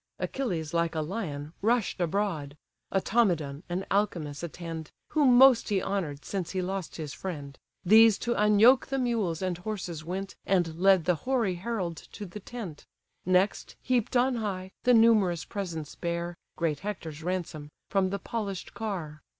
Achilles, like a lion, rush'd abroad: Automedon and Alcimus attend, (Whom most he honour'd, since he lost his friend,) These to unyoke the mules and horses went, And led the hoary herald to the tent; Next, heap'd on high, the numerous presents bear, (Great Hector's ransom,) from the polish'd car.